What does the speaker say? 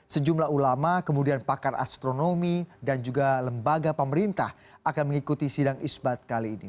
sejumlah ulama kemudian pakar astronomi dan juga lembaga pemerintah akan mengikuti sidang isbat kali ini